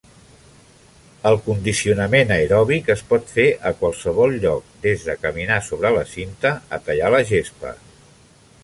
El condicionament aeròbic es pot fer a qualsevol lloc, des de caminar sobre la cinta a tallar la gespa.